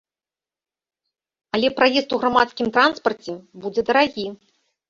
Але праезд у грамадскім транспарце будзе дарагі.